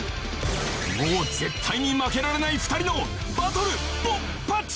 もう絶対に負けられない２人のバトル勃発！